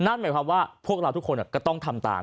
นั่นหมายความว่าพวกเราทุกคนก็ต้องทำตาม